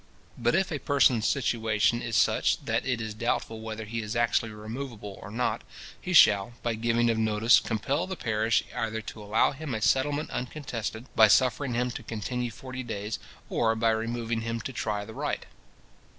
But if a person's situation is such, that it is doubtful whether he is actually removable or not, he shall, by giving of notice, compel the parish either to allow him a settlement uncontested, by suffering him to continue forty days, or by removing him to try the right."